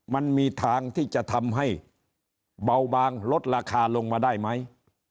มันมีทางที่จะทำให้เบาบางลดราคาลงมาได้ไหม